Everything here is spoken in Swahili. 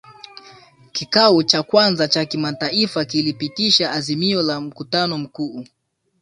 kikao cha kwanza cha kimataifa kilipitisha azimio la mkutano mkuu